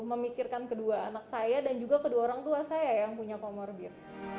memikirkan kedua anak saya dan juga kedua orang tua saya yang punya comorbid